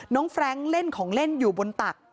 แฟรงค์เล่นของเล่นอยู่บนตัก